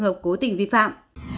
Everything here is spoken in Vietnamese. hợp cố tình vi phạm